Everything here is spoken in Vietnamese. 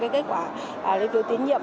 cái kết quả lấy phiếu tín nhiệm